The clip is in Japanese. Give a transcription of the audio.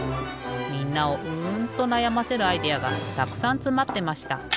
みんなをうんとなやませるアイデアがたくさんつまってました。